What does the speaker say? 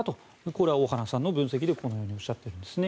これは小原さんの分析でおっしゃっています。